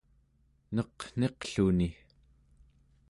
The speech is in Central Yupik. neqniqluni